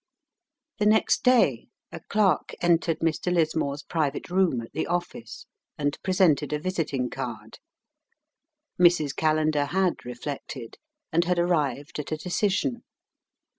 The next day a clerk entered Mr. Lismore's private room at the office, and presented a visiting card. Mrs. Callender had reflected, and had arrived at a decision.